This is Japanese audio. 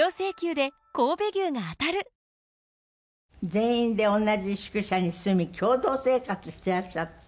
全員で同じ宿舎に住み共同生活してらっしゃる。